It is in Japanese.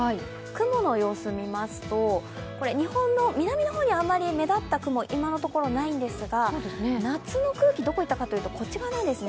雲の様子を見ますと日本の南の方に目立った雲、今のところないんですが夏の空気、どこへ行ったかというとこちら側なんです。